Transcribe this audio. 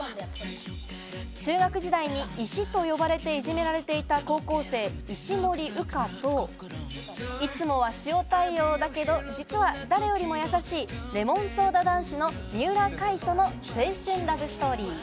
中学時代に石と呼ばれていじめられていた高校生・石森羽花といつもは塩対応だけど実は誰よりもやさしいレモンソーダ男子の三浦界との青春ラブストーリー。